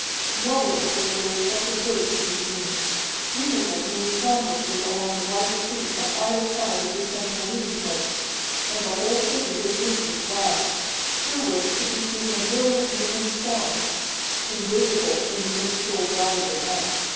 Nowhere was there a speck of dirt to be seen. Vehicles moved soundlessly along the wide streets on either side of this central meeting place, and the whole city was roofed with glass, through which could be seen the brilliant moon and stars invisible from the mist filled valley without.